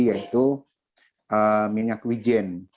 yaitu minyak wijen